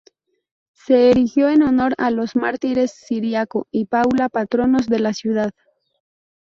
Se erigió en honor a los mártires Ciriaco y Paula, patronos de la ciudad.